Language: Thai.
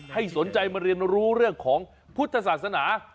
ให้สนใจมาเรียนรู้เรื่องของพุทธศาสนา